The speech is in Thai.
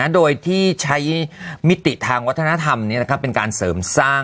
โดยที่ใช้มิติทางวัฒนธรรมนี้นะคะ